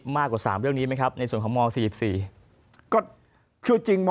มากกว่า๓เรื่องนี้ไหมครับในส่วนของม๔๔ก็คือจริงม